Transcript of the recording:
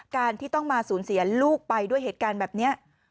การที่ต้องมาสูญเสียลูกไปด้วยเหตุการณ์แบบนี้